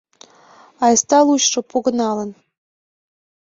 Айста лучо, погыналын